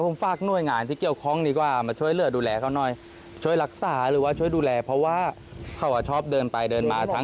มาช่วยเหลือดูแลเขาน่อยช่วยรักษาหรือว่าช่วยดูแลเพราะว่าเขาก็ชอบเดินไปเดินมาทั้ง